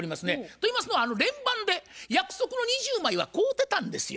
と言いますのは連番で約束の２０枚は買うてたんですよ。